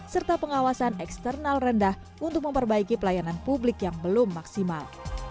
serta pengawasan eksternal rendah untuk memperbaiki pelayanan publik yang belum maksimal